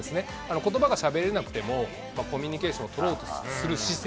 ことばがしゃべれなくても、コミュニケーションを取ろうとする姿勢。